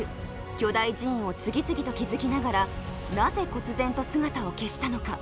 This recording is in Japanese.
巨大寺院を次々と築きながらなぜ、こつ然と姿を消したのか？